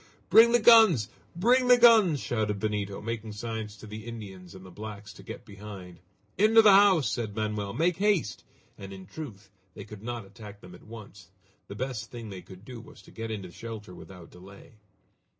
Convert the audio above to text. "Bring the guns! Bring the guns!" shouted Benito, making signs to the Indians and the blacks to get behind. "Into the house!" said Manoel; "make haste!" And in truth, as they could not attack them at once, the best thing they could do was to get into shelter without delay.